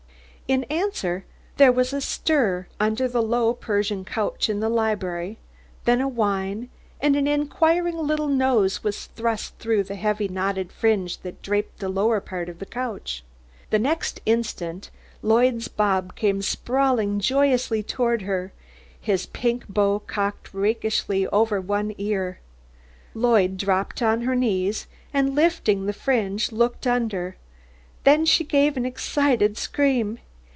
In answer there was a stir under the low Persian couch in the library, then a whine, and an inquiring little nose was thrust through the heavy knotted fringe that draped the lower part of the couch. The next instant Lloyd's Bob came sprawling joyously toward her, his pink bow cocked rakishly over one ear. Lloyd dropped on her knees, and, lifting the fringe, looked under. Then she gave an excited scream.